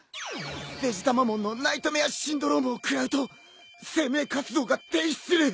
デジタマモンのナイトメアシンドロームをくらうと生命活動が停止する！